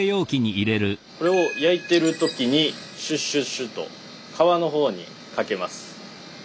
これを焼いてる時にシュッシュッシュッと皮の方にかけます。